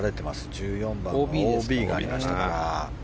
１４番のＯＢがありましたから。